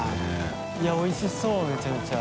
許）いやおいしそうめちゃめちゃ。